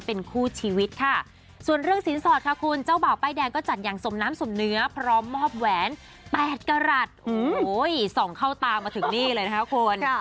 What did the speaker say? โอ้ยส่องเข้าตามาถึงนี่เลยนะครับคุณ